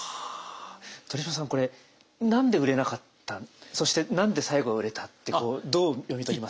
鳥嶋さんこれ何で売れなかったそして何で最後は売れたってこうどう読み解きます？